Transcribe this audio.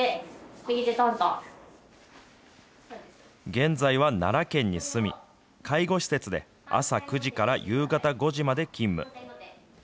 現在は奈良県に住み、介護施設で朝９時から夕方５時まで勤務。